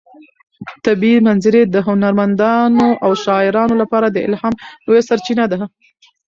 طبیعي منظرې د هنرمندانو او شاعرانو لپاره د الهام لویه سرچینه ده.